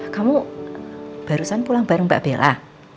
kamu barusan pulang bareng mbak bella